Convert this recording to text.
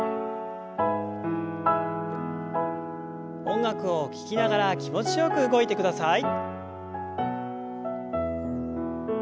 音楽を聞きながら気持ちよく動いてください。